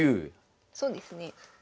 そうですね。